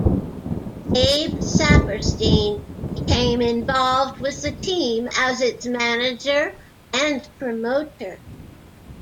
Abe Saperstein became involved with the team as its manager and promoter.